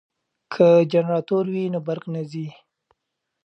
که جنراتور وي نو برق نه ځي.